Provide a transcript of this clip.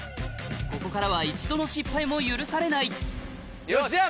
ここからは一度の失敗も許されない